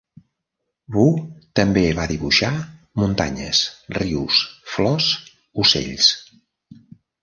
Wu també va dibuixar muntanyes, rius, flors, ocells.